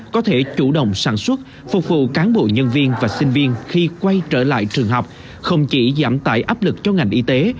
có thể chủ động sản xuất phục vụ cán bộ nhân viên và sinh viên khi quay trở lại trường học không chỉ giảm tải áp lực cho ngành y tế